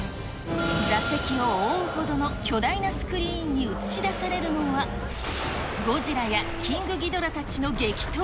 座席を覆うほどの巨大なスクリーンに映し出されるのは、ゴジラやキングギドラたちの激闘。